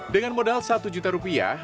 dengan modal satu juta rupiah